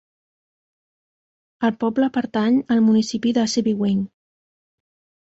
El poble pertany al municipi de Sebewaing.